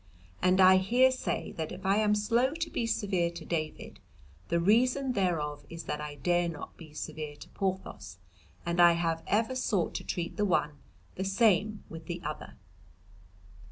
And I here say that if I am slow to be severe to David, the reason thereof is that I dare not be severe to Porthos, and I have ever sought to treat the one the same with the other.